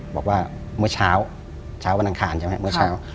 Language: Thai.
บอกว่าเมื่อเช้าเช้าวันอังคารใช่ไหมเมื่อเช้า